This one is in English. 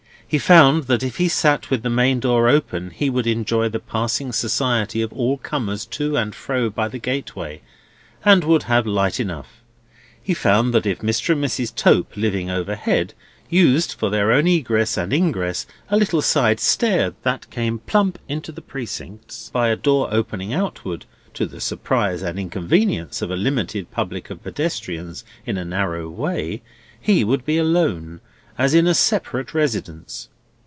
He found that if he sat with the main door open he would enjoy the passing society of all comers to and fro by the gateway, and would have light enough. He found that if Mr. and Mrs. Tope, living overhead, used for their own egress and ingress a little side stair that came plump into the Precincts by a door opening outward, to the surprise and inconvenience of a limited public of pedestrians in a narrow way, he would be alone, as in a separate residence.